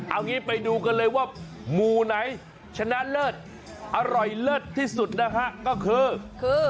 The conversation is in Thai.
เอางี้ไปดูกันเลยว่าหมู่ไหนชนะเลิศอร่อยเลิศที่สุดนะฮะก็คือคือ